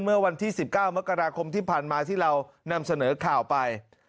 เมื่อวันที่๑๙มกราคมที่ผ่านมาที่เรานำเสนอข่าวไป